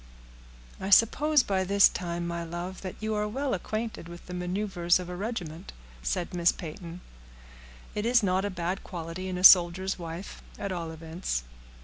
"I suppose, by this time, my love, that you are well acquainted with the maneuvers of a regiment," said Miss Peyton. "It is no bad quality in a soldier's wife, at all events."